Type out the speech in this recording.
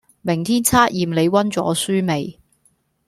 明天測驗你溫咗書未